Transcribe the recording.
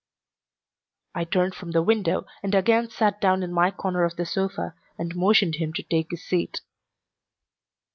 I turned from the window and again sat down in my corner of the sofa and motioned him to take his seat.